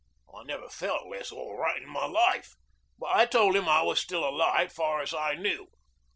I never felt less all right in my life, but I told 'im I was still alive, far as knew.